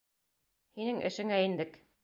Һинең эшеңә индек.